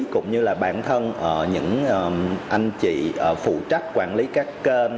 cũng như là bản thân những anh chị phụ trách quản lý các kênh